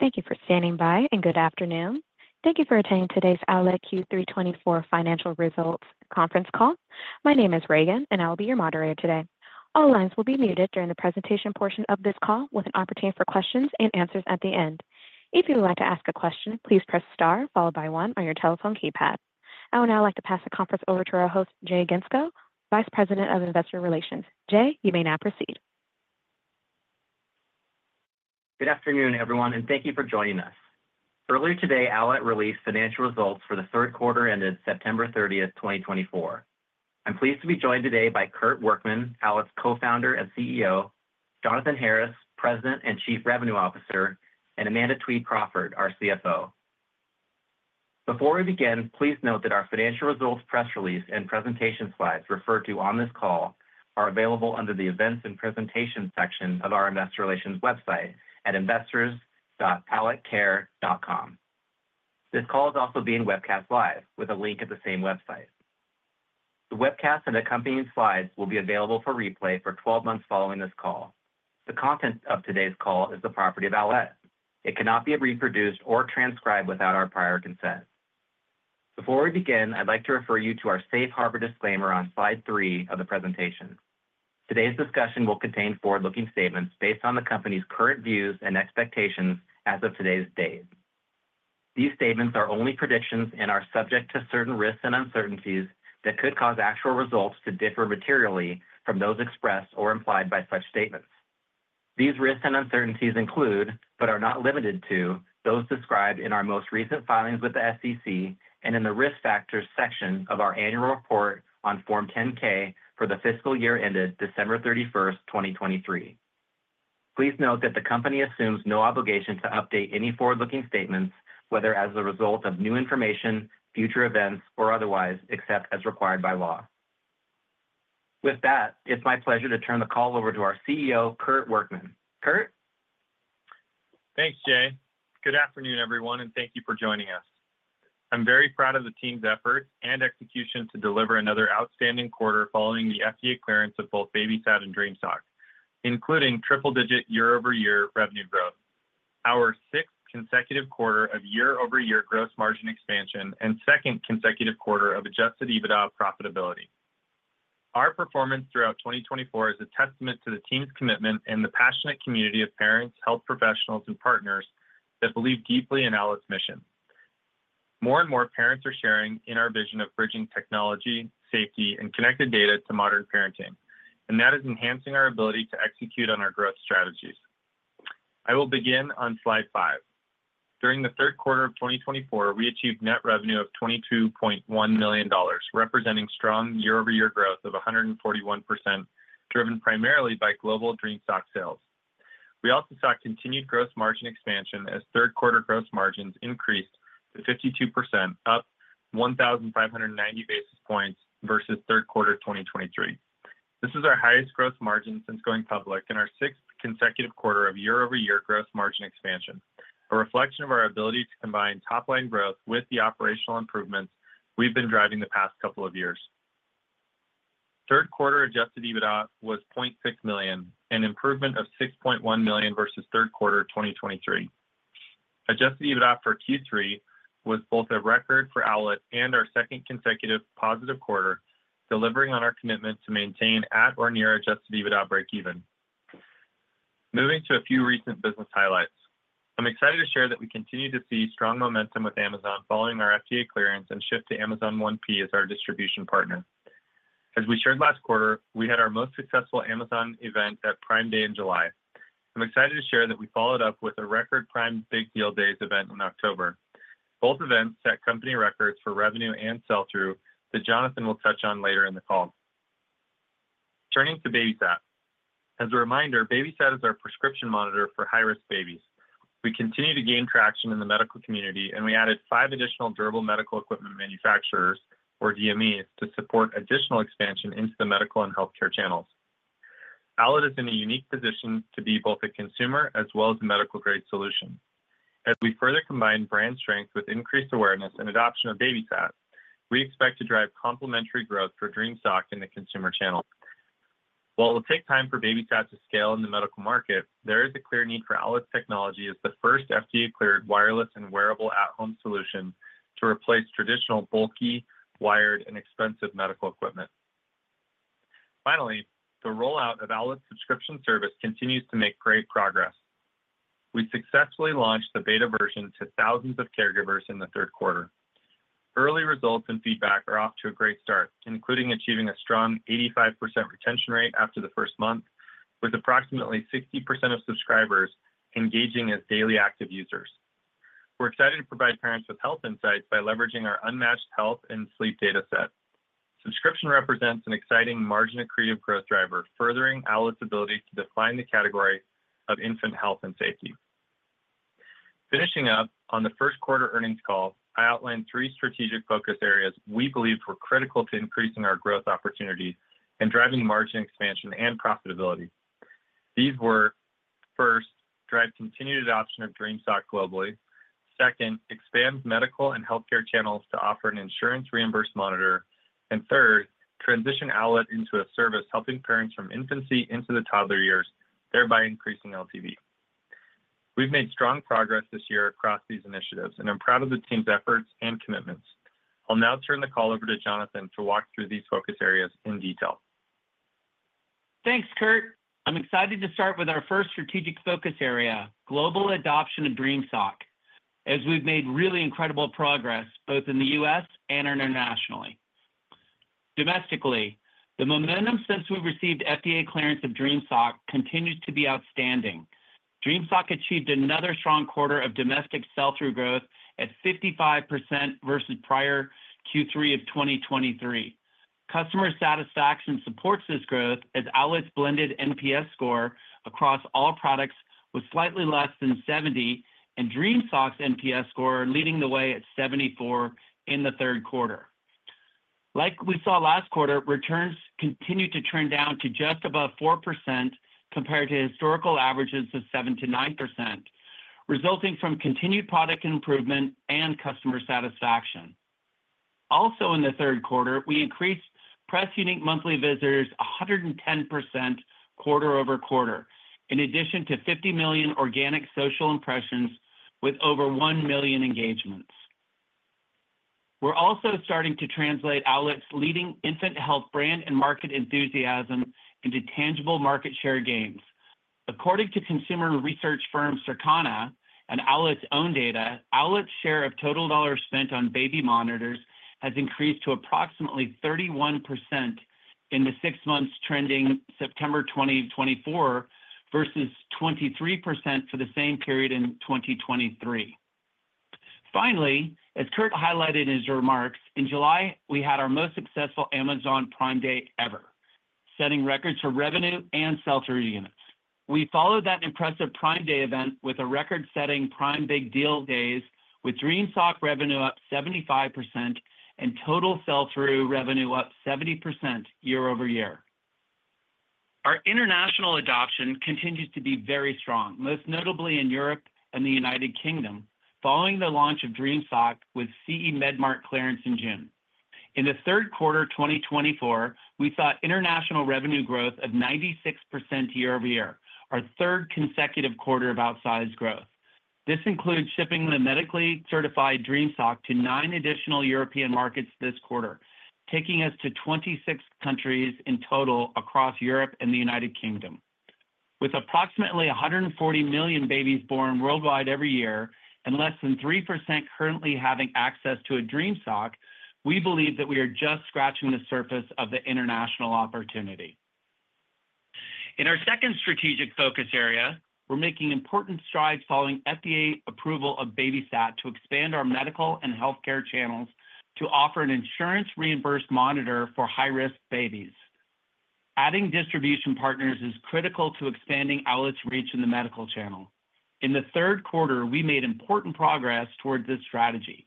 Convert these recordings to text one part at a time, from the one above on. Thank you for standing by, and good afternoon. Thank you for attending today's Owlet Q3 2024 Financial Results conference call. My name is Reagan, and I'll be your moderator today. All lines will be muted during the presentation portion of this call, with an opportunity for questions and answers at the end. If you would like to ask a question, please press star followed by one on your telephone keypad. I would now like to pass the conference over to our host, Jay Gentzkow, Vice President of Investor Relations. Jay, you may now proceed. Good afternoon, everyone, and thank you for joining us. Earlier today, Owlet released financial results for the Q3 ended September 30th, 2024. I'm pleased to be joined today by Kurt Workman, Owlet's Co-founder and CEO, Jonathan Harris, President and Chief Revenue Officer, and Amanda Twede Crawford, our CFO. Before we begin, please note that our financial results press release and presentation slides referred to on this call are available under the Events and Presentations section of our Investor Relations website at investors.owletcare.com. This call is also being webcast live with a link at the same website. The webcast and accompanying slides will be available for replay for 12 months following this call. The content of today's call is the property of Owlet. It cannot be reproduced or transcribed without our prior consent. Before we begin, I'd like to refer you to our safe harbor disclaimer on slide three of the presentation. Today's discussion will contain forward-looking statements based on the company's current views and expectations as of today's date. These statements are only predictions and are subject to certain risks and uncertainties that could cause actual results to differ materially from those expressed or implied by such statements. These risks and uncertainties include, but are not limited to, those described in our most recent filings with the SEC and in the risk factors section of our annual report on Form 10-K for the fiscal year ended December 31st, 2023. Please note that the company assumes no obligation to update any forward-looking statements, whether as a result of new information, future events, or otherwise, except as required by law. With that, it's my pleasure to turn the call over to our CEO, Kurt Workman. Kurt? Thanks, Jay. Good afternoon, everyone, and thank you for joining us. I'm very proud of the team's efforts and execution to deliver another outstanding quarter following the FDA clearance of both BabySat and Dream Sock, including triple-digit year-over-year revenue growth, our sixth consecutive quarter of year-over-year gross margin expansion, and second consecutive quarter of Adjusted EBITDA profitability. Our performance throughout 2024 is a testament to the team's commitment and the passionate community of parents, health professionals, and partners that believe deeply in Owlet's mission. More and more parents are sharing in our vision of bridging technology, safety, and connected data to modern parenting, and that is enhancing our ability to execute on our growth strategies. I will begin on slide five. During the Q3 of 2024, we achieved net revenue of $22.1 million, representing strong year-over-year growth of 141%, driven primarily by global Dream Sock sales. We also saw continued gross margin expansion as third-quarter gross margins increased to 52%, up 1,590 basis points versus Q3 2023. This is our highest gross margin since going public in our sixth consecutive quarter of year-over-year gross margin expansion, a reflection of our ability to combine top-line growth with the operational improvements we've been driving the past couple of years. Third-quarter adjusted EBITDA was $0.6 million, an improvement of $6.1 million versus Q3 2023. Adjusted EBITDA for Q3 was both a record for Owlet and our second consecutive positive quarter, delivering on our commitment to maintain at or near adjusted EBITDA break-even. Moving to a few recent business highlights. I'm excited to share that we continue to see strong momentum with Amazon following our FDA clearance and shift to Amazon 1P as our distribution partner. As we shared last quarter, we had our most successful Amazon event at Prime Day in July. I'm excited to share that we followed up with a record Prime Big Deal Days event in October. Both events set company records for revenue and sell-through that Jonathan will touch on later in the call. Turning to BabySat. As a reminder, BabySat is our prescription monitor for high-risk babies. We continue to gain traction in the medical community, and we added five additional durable medical equipment manufacturers, or DMEs, to support additional expansion into the medical and healthcare channels. Owlet is in a unique position to be both a consumer as well as a medical-grade solution. As we further combine brand strength with increased awareness and adoption of BabySat, we expect to drive complementary growth for Dream Sock in the consumer channel. While it will take time for BabySat to scale in the medical market, there is a clear need for Owlet Technology as the first FDA-cleared wireless and wearable at-home solution to replace traditional bulky, wired, and expensive medical equipment. Finally, the rollout of Owlet's subscription service continues to make great progress. We successfully launched the beta version to thousands of caregivers in the Q3. Early results and feedback are off to a great start, including achieving a strong 85% retention rate after the first month, with approximately 60% of subscribers engaging as daily active users. We're excited to provide parents with health insights by leveraging our unmatched health and sleep data set. Subscription represents an exciting margin accretive growth driver, furthering Owlet's ability to define the category of infant health and safety. Finishing up on the Q1 earnings call, I outlined three strategic focus areas we believed were critical to increasing our growth opportunities and driving margin expansion and profitability. These were, first, drive continued adoption of Dream Sock globally. Second, expand medical and healthcare channels to offer an insurance reimbursement monitor. And third, transition Owlet into a service helping parents from infancy into the toddler years, thereby increasing LTV. We've made strong progress this year across these initiatives, and I'm proud of the team's efforts and commitments. I'll now turn the call over to Jonathan to walk through these focus areas in detail. Thanks, Kurt. I'm excited to start with our first strategic focus area, global adoption of Dream Sock, as we've made really incredible progress both in the U.S. and internationally. Domestically, the momentum since we received FDA clearance of Dream Sock continues to be outstanding. Dream Sock achieved another strong quarter of domestic sell-through growth at 55% versus prior Q3 of 2023. Customer satisfaction supports this growth as Owlet's blended NPS score across all products was slightly less than 70, and Dream Sock's NPS score leading the way at 74 in the Q3. Like we saw last quarter, returns continued to trend down to just above 4% compared to historical averages of 7%-9%, resulting from continued product improvement and customer satisfaction. Also, in the Q3, we increased press unique monthly visitors 110% quarter over quarter, in addition to 50 million organic social impressions with over one million engagements. We're also starting to translate Owlet's leading infant health brand and market enthusiasm into tangible market share gains. According to consumer research firm Circana, and Owlet's own data, Owlet's share of total dollars spent on baby monitors has increased to approximately 31% in the six months trending September 2024 versus 23% for the same period in 2023. Finally, as Kurt highlighted in his remarks, in July, we had our most successful Amazon Prime Day ever, setting records for revenue and sell-through units. We followed that impressive Prime Day event with a record-setting Prime Big Deal Days, with Dream Sock revenue up 75% and total sell-through revenue up 70% year-over-year. Our international adoption continues to be very strong, most notably in Europe and the United Kingdom, following the launch of Dream Sock with CE Medical Mark clearance in June. In the Q3 2024, we saw international revenue growth of 96% year-over-year, our third consecutive quarter of outsized growth. This includes shipping the medically certified Dream Sock to nine additional European markets this quarter, taking us to 26 countries in total across Europe and the United Kingdom. With approximately 140 million babies born worldwide every year and less than 3% currently having access to a Dream Sock, we believe that we are just scratching the surface of the international opportunity. In our second strategic focus area, we're making important strides following FDA approval of BabySat to expand our medical and healthcare channels to offer an insurance reimbursement monitor for high-risk babies. Adding distribution partners is critical to expanding Owlet's reach in the medical channel. In the Q3, we made important progress toward this strategy,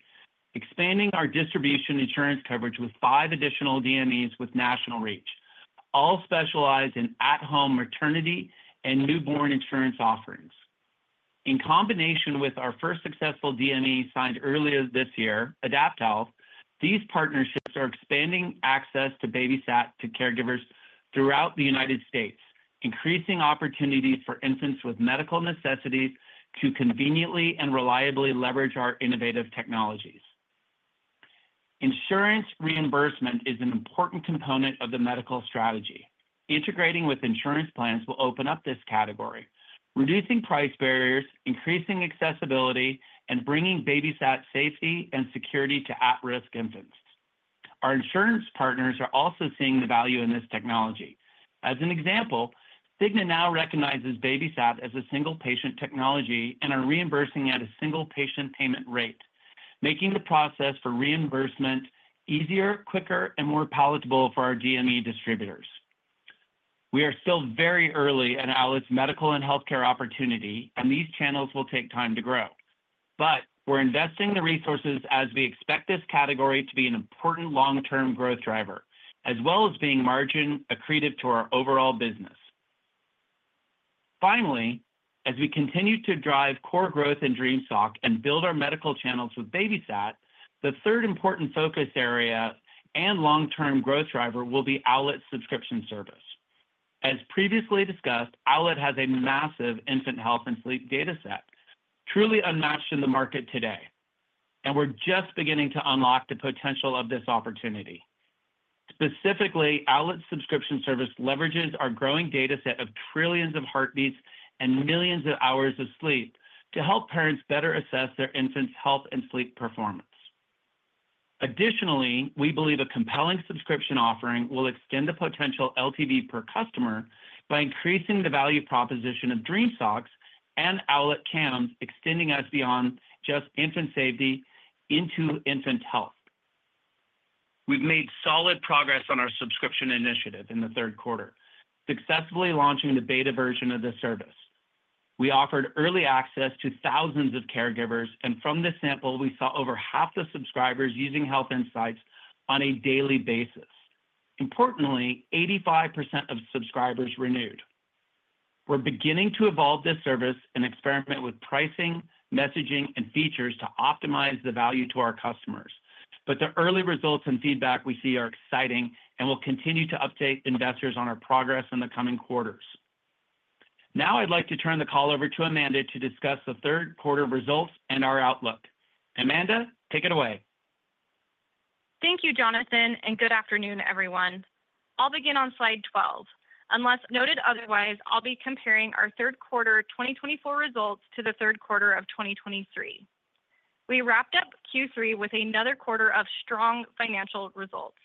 expanding our distribution insurance coverage with five additional DMEs with national reach, all specialized in at-home maternity and newborn insurance offerings. In combination with our first successful DME signed earlier this year, AdaptHealth, these partnerships are expanding access to BabySat to caregivers throughout the United States, increasing opportunities for infants with medical necessities to conveniently and reliably leverage our innovative technologies. Insurance reimbursement is an important component of the medical strategy. Integrating with insurance plans will open up this category, reducing price barriers, increasing accessibility, and bringing BabySat safety and security to at-risk infants. Our insurance partners are also seeing the value in this technology. As an example, Cigna now recognizes BabySat as a single-patient technology and are reimbursing at a single-patient payment rate, making the process for reimbursement easier, quicker, and more palatable for our DME distributors. We are still very early in Owlet's medical and healthcare opportunity, and these channels will take time to grow. But we're investing the resources as we expect this category to be an important long-term growth driver, as well as being margin accretive to our overall business. Finally, as we continue to drive core growth in Dream Sock and build our medical channels with BabySat, the third important focus area and long-term growth driver will be Owlet's subscription service. As previously discussed, Owlet has a massive infant health and sleep data set, truly unmatched in the market today, and we're just beginning to unlock the potential of this opportunity. Specifically, Owlet's subscription service leverages our growing data set of trillions of heartbeats and millions of hours of sleep to help parents better assess their infants' health and sleep performance. Additionally, we believe a compelling subscription offering will extend the potential LTV per customer by increasing the value proposition of Dream Sock and Owlet Cams, extending us beyond just infant safety into infant health. We've made solid progress on our subscription initiative in the Q3, successfully launching the beta version of the service. We offered early access to thousands of caregivers, and from the sample, we saw over half the subscribers using Health Insights on a daily basis. Importantly, 85% of subscribers renewed. We're beginning to evolve this service and experiment with pricing, messaging, and features to optimize the value to our customers. But the early results and feedback we see are exciting, and we'll continue to update investors on our progress in the coming quarters. Now I'd like to turn the call over to Amanda to discuss the Q3 results and our outlook. Amanda, take it away. Thank you, Jonathan, and good afternoon, everyone. I'll begin on slide 12. Unless noted otherwise, I'll be comparing our Q3 2024 results to the Q3 of 2023. We wrapped up Q3 with another quarter of strong financial results.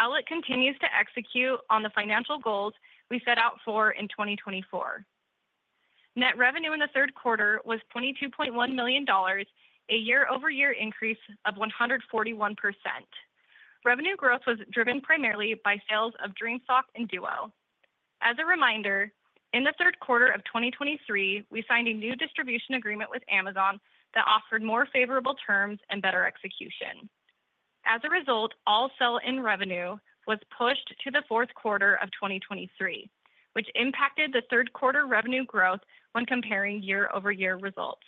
Owlet continues to execute on the financial goals we set out for in 2024. Net revenue in the Q3 was $22.1 million, a year-over-year increase of 141%. Revenue growth was driven primarily by sales of Dream Sock and Duo. As a reminder, in the Q3 of 2023, we signed a new distribution agreement with Amazon that offered more favorable terms and better execution. As a result, all sell-in revenue was pushed to the Q4 of 2023, which impacted the Q3 revenue growth when comparing year-over-year results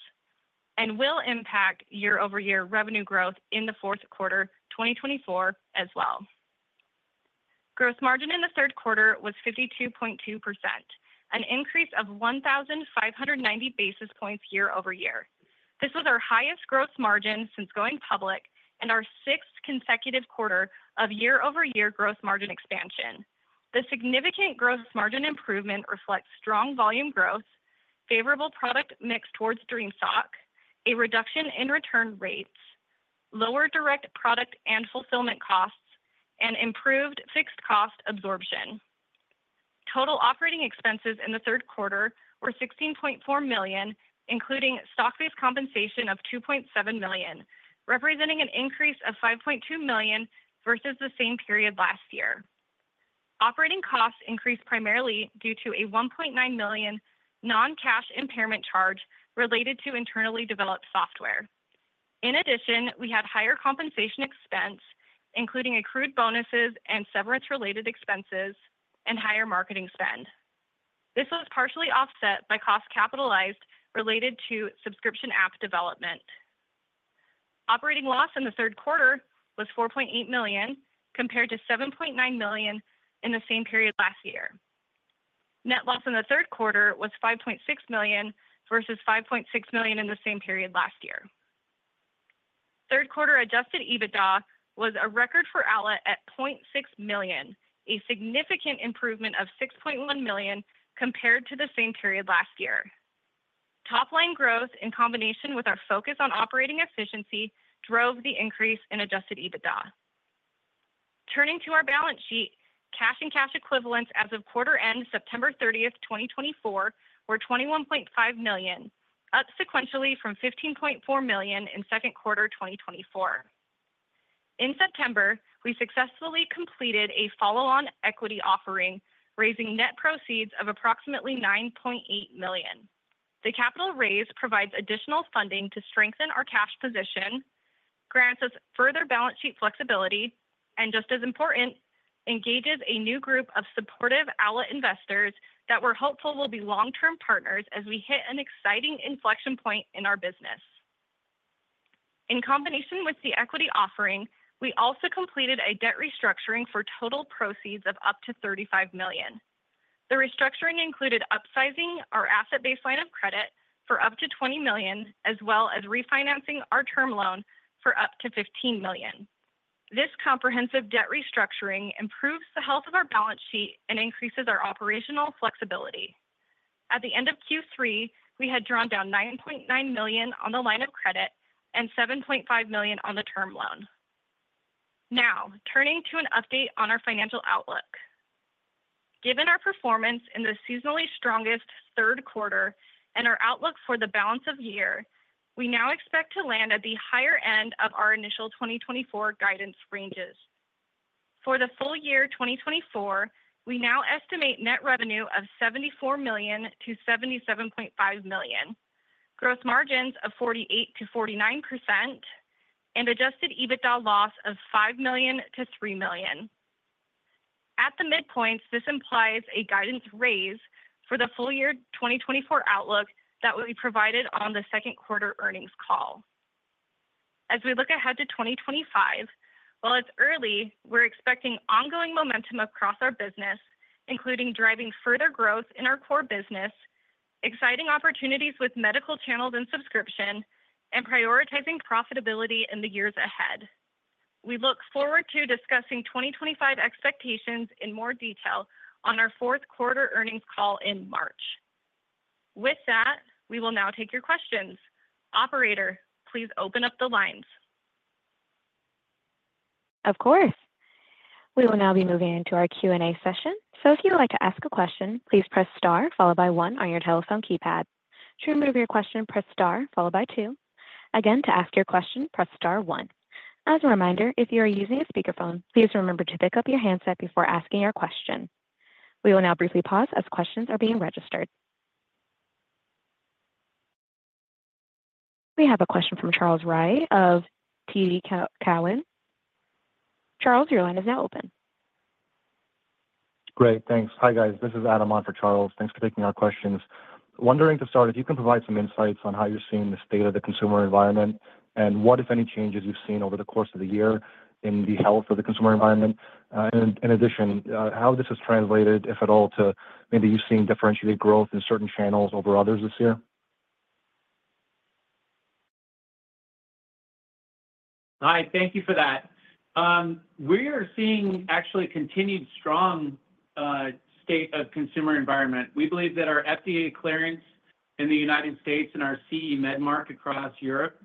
and will impact year-over-year revenue growth in the Q4 2024 as well. Gross margin in the Q3 was 52.2%, an increase of 1,590 basis points year-over-year. This was our highest gross margin since going public and our sixth consecutive quarter of year-over-year gross margin expansion. The significant gross margin improvement reflects strong volume growth, favorable product mix towards Dream Sock, a reduction in return rates, lower direct product and fulfillment costs, and improved fixed cost absorption. Total operating expenses in the Q3 were $16.4 million, including stock-based compensation of $2.7 million, representing an increase of $5.2 million versus the same period last year. Operating costs increased primarily due to a $1.9 million non-cash impairment charge related to internally developed software. In addition, we had higher compensation expense, including accrued bonuses and severance-related expenses and higher marketing spend. This was partially offset by costs capitalized related to subscription app development. Operating loss in the Q3 was $4.8 million compared to $7.9 million in the same period last year. Net loss in the Q3 was $5.6 million versus $5.6 million in the same period last year. Q3 Adjusted EBITDA was a record for Owlet at $0.6 million, a significant improvement of $6.1 million compared to the same period last year. Top-line growth in combination with our focus on operating efficiency drove the increase in Adjusted EBITDA. Turning to our balance sheet, cash and cash equivalents as of quarter end September 30, 2024, were $21.5 million, up sequentially from $15.4 million in Q2 2024. In September, we successfully completed a follow-on equity offering, raising net proceeds of approximately $9.8 million. The capital raise provides additional funding to strengthen our cash position, grants us further balance sheet flexibility, and, just as important, engages a new group of supportive Owlet investors that we're hopeful will be long-term partners as we hit an exciting inflection point in our business. In combination with the equity offering, we also completed a debt restructuring for total proceeds of up to $35 million. The restructuring included upsizing our asset-based line of credit for up to $20 million, as well as refinancing our term loan for up to $15 million. This comprehensive debt restructuring improves the health of our balance sheet and increases our operational flexibility. At the end of Q3, we had drawn down $9.9 million on the line of credit and $7.5 million on the term loan. Now, turning to an update on our financial outlook. Given our performance in the seasonally strongest Q3 and our outlook for the balance of year, we now expect to land at the higher end of our initial 2024 guidance ranges. For the full year 2024, we now estimate net revenue of $74 million to $77.5 million, gross margins of 48%-49%, and Adjusted EBITDA loss of $5 million to $3 million. At the midpoint, this implies a guidance raise for the full year 2024 outlook that will be provided on the Q2 earnings call. As we look ahead to 2025, while it's early, we're expecting ongoing momentum across our business, including driving further growth in our core business, exciting opportunities with medical channels and subscription, and prioritizing profitability in the years ahead. We look forward to discussing 2025 expectations in more detail on our Q4 earnings call in March. With that, we will now take your questions. Operator, please open up the lines. Of course. We will now be moving into our Q&A session. So if you'd like to ask a question, please press star followed by one on your telephone keypad. To remove your question, press star followed by two. Again, to ask your question, press star one. As a reminder, if you are using a speakerphone, please remember to pick up your handset before asking your question. We will now briefly pause as questions are being registered. We have a question from Charles Wright of TD Cowen. Charles, your line is now open. Great. Thanks. Hi guys. This is Adam for Charles. Thanks for taking our questions. Wondering to start, if you can provide some insights on how you're seeing the state of the consumer environment and what, if any, changes you've seen over the course of the year in the health of the consumer environment. In addition, how this has translated, if at all, to maybe you've seen differentiated growth in certain channels over others this year. Hi. Thank you for that. We are seeing actually continued strong state of consumer environment. We believe that our FDA clearance in the United States and our CE Medical Mark across Europe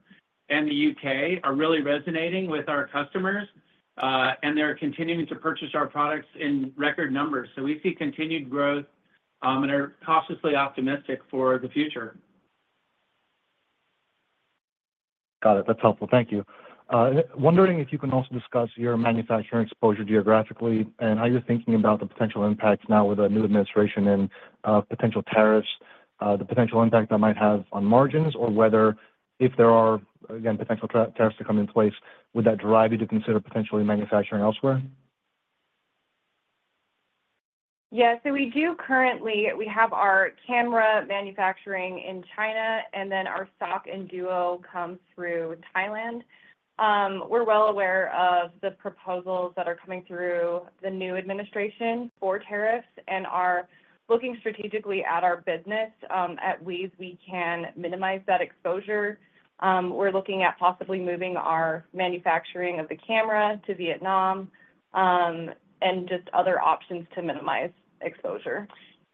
and the UK are really resonating with our customers, and they're continuing to purchase our products in record numbers. So we see continued growth, and we're cautiously optimistic for the future. Got it. That's helpful. Thank you. Wondering if you can also discuss your manufacturing exposure geographically and how you're thinking about the potential impact now with a new administration and potential tariffs, the potential impact that might have on margins or whether, if there are, again, potential tariffs to come in place, would that drive you to consider potentially manufacturing elsewhere? Yeah. We do currently have our camera manufacturing in China, and then our Sock and Duo come through Thailand. We are well aware of the proposals that are coming through the new administration for tariffs and are looking strategically at our business. At Owlet, we can minimize that exposure. We are looking at possibly moving our manufacturing of the camera to Vietnam and just other options to minimize exposure.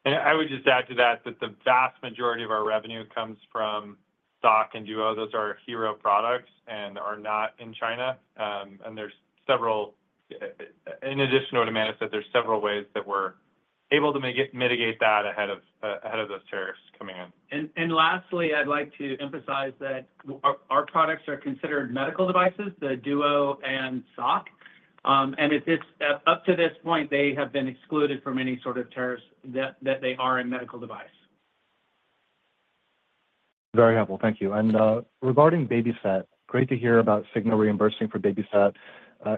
I would just add to that that the vast majority of our revenue comes from Sock and Duo. Those are our hero products and are not in China. There are several, in addition to what Amanda said, several ways that we're able to mitigate that ahead of those tariffs coming in. Lastly, I'd like to emphasize that our products are considered medical devices, the Duo and Sock. Up to this point, they have been excluded from any sort of tariffs, that they are a medical device. Very helpful. Thank you. And regarding BabySat, great to hear about Cigna reimbursing for BabySat.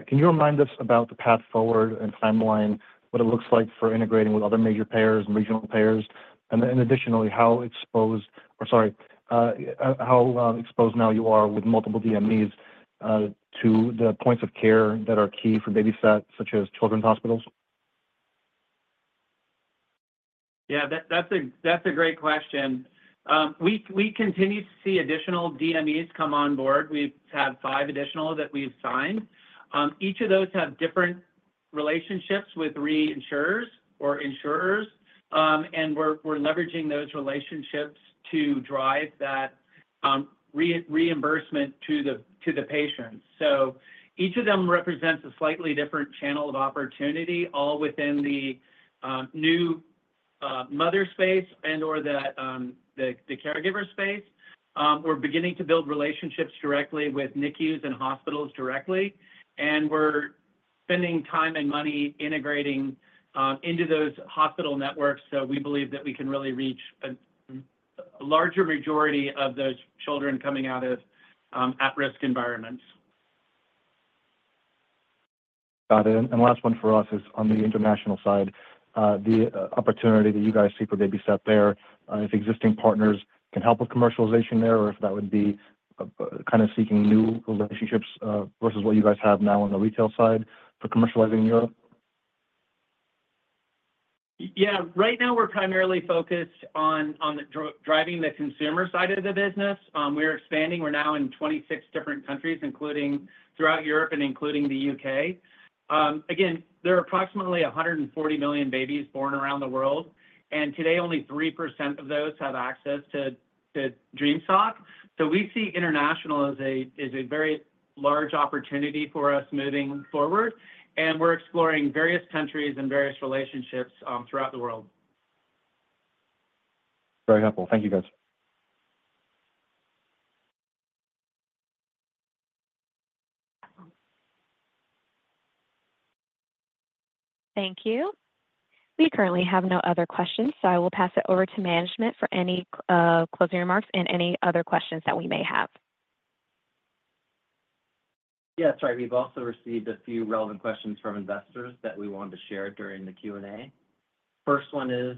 Can you remind us about the path forward and timeline, what it looks like for integrating with other major payers and regional payers? And additionally, how exposed, or sorry, how exposed now you are with multiple DMEs to the points of care that are key for BabySat, such as children's hospitals? Yeah, that's a great question. We continue to see additional DMEs come on board. We've had five additional that we've signed. Each of those have different relationships with reinsurers or insurers, and we're leveraging those relationships to drive that reimbursement to the patients. So each of them represents a slightly different channel of opportunity, all within the new mother space and/or the caregiver space. We're beginning to build relationships directly with NICUs and hospitals directly, and we're spending time and money integrating into those hospital networks. So we believe that we can really reach a larger majority of those children coming out of at-risk environments. Got it. And last one for us is on the international side, the opportunity that you guys see for BabySat there, if existing partners can help with commercialization there, or if that would be kind of seeking new relationships versus what you guys have now on the retail side for commercializing in Europe? Yeah. Right now, we're primarily focused on driving the consumer side of the business. We're expanding. We're now in 26 different countries, including throughout Europe and including the U.K. Again, there are approximately 140 million babies born around the world, and today, only 3% of those have access to Dream Sock. So we see international as a very large opportunity for us moving forward, and we're exploring various countries and various relationships throughout the world. Very helpful. Thank you, guys. Thank you. We currently have no other questions, so I will pass it over to management for any closing remarks and any other questions that we may have. Yeah. Sorry, we've also received a few relevant questions from investors that we wanted to share during the Q&A. First one is,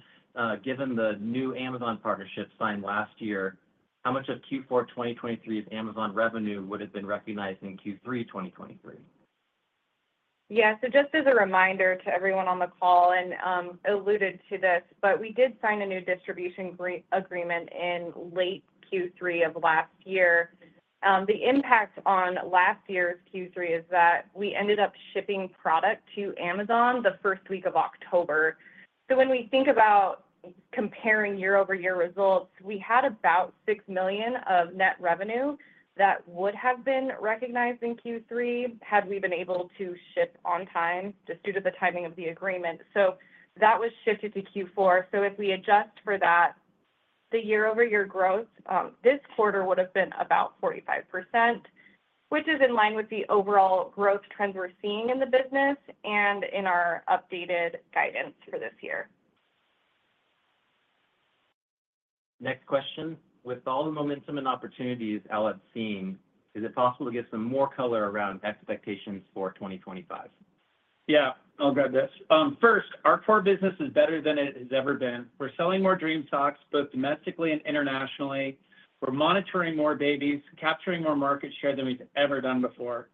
given the new Amazon partnership signed last year, how much of Q4 2023's Amazon revenue would have been recognized in Q3 2023? Yeah. So just as a reminder to everyone on the call, and alluded to this, but we did sign a new distribution agreement in late Q3 of last year. The impact on last year's Q3 is that we ended up shipping product to Amazon the first week of October. So when we think about comparing year-over-year results, we had about $6 million of net revenue that would have been recognized in Q3 had we been able to ship on time just due to the timing of the agreement. So that was shifted to Q4. So if we adjust for that, the year-over-year growth this quarter would have been about 45%, which is in line with the overall growth trends we're seeing in the business and in our updated guidance for this year. Next question. With all the momentum and opportunities Owlet's seeing, is it possible to get some more color around expectations for 2025? Yeah. I'll grab this. First, our core business is better than it has ever been. We're selling more Dream Socks both domestically and internationally. We're monitoring more babies, capturing more market share than we've ever done before.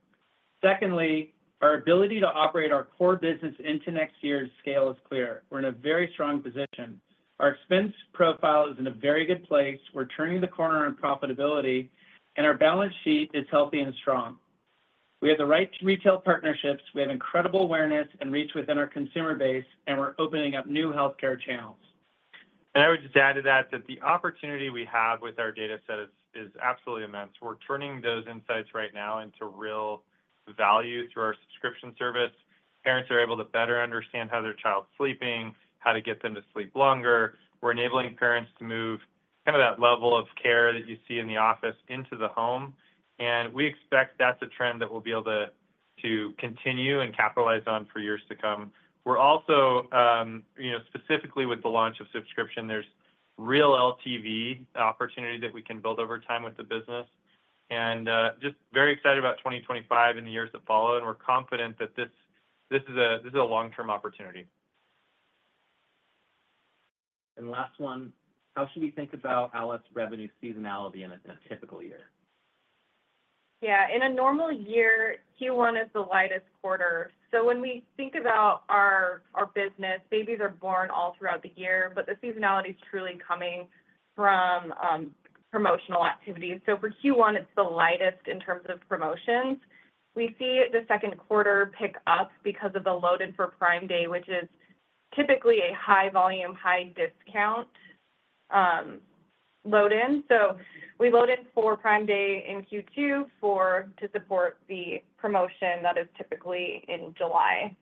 Secondly, our ability to operate our core business into next year's scale is clear. We're in a very strong position. Our expense profile is in a very good place. We're turning the corner on profitability, and our balance sheet is healthy and strong. We have the right retail partnerships. We have incredible awareness and reach within our consumer base, and we're opening up new healthcare channels. I would just add to that that the opportunity we have with our data set is absolutely immense. We're turning those insights right now into real value through our subscription service. Parents are able to better understand how their child's sleeping, how to get them to sleep longer. We're enabling parents to move kind of that level of care that you see in the office into the home. We expect that's a trend that we'll be able to continue and capitalize on for years to come. We're also, specifically with the launch of subscription, there's real LTV opportunity that we can build over time with the business. Just very excited about 2025 and the years that follow, and we're confident that this is a long-term opportunity. Last one, how should we think about Owlet's revenue seasonality in a typical year? Yeah. In a normal year, Q1 is the lightest quarter. So when we think about our business, babies are born all throughout the year, but the seasonality is truly coming from promotional activity. So for Q1, it's the lightest in terms of promotions. We see the Q2 pick up because of the load-in for Prime Day, which is typically a high-volume, high-discount load-in. So we load in for Prime Day in Q2 to support the promotion that is typically in July.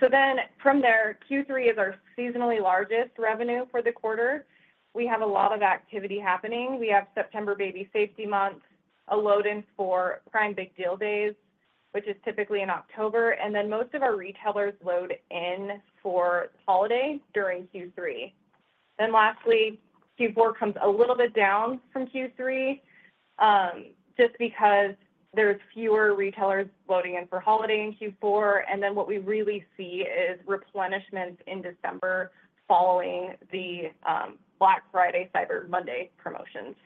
So then from there, Q3 is our seasonally largest revenue for the quarter. We have a lot of activity happening. We have September Baby Safety Month, a load-in for Prime Big Deal Days, which is typically in October. And then most of our retailers load in for holiday during Q3. Then lastly, Q4 comes a little bit down from Q3 just because there's fewer retailers loading in for holiday in Q4. And then what we really see is replenishments in December following the Black Friday, Cyber Monday promotions.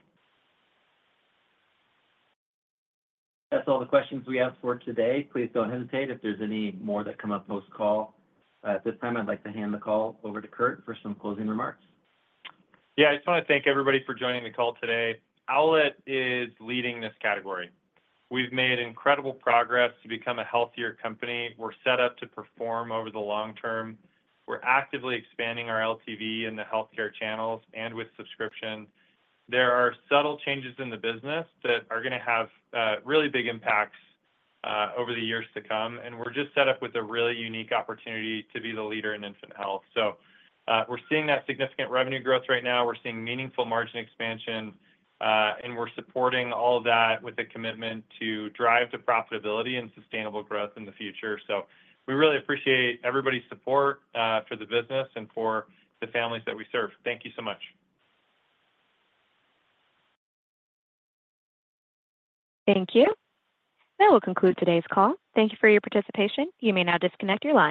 That's all the questions we have for today. Please don't hesitate if there's any more that come up post-call. At this time, I'd like to hand the call over to Kurt for some closing remarks. Yeah. I just want to thank everybody for joining the call today. Owlet is leading this category. We've made incredible progress to become a healthier company. We're set up to perform over the long term. We're actively expanding our LTV in the healthcare channels and with subscription. There are subtle changes in the business that are going to have really big impacts over the years to come. And we're just set up with a really unique opportunity to be the leader in infant health. So we're seeing that significant revenue growth right now. We're seeing meaningful margin expansion, and we're supporting all of that with a commitment to drive to profitability and sustainable growth in the future. So we really appreciate everybody's support for the business and for the families that we serve. Thank you so much. Thank you. That will conclude today's call. Thank you for your participation. You may now disconnect the line.